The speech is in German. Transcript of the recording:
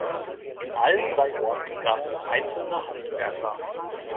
In allen drei Orten gab es einzelne Handwerker.